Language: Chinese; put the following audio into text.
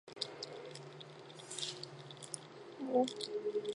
目前正在爆发的兹卡病毒疫情引发运动员和游客的担忧。